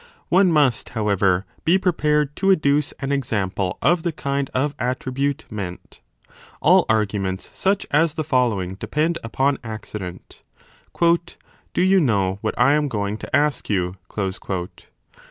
One must, how ever, be prepared to adduce an example of the kind of attribute meant. All arguments such as the following depend upon Accident. Do you know what I am going to ask you ?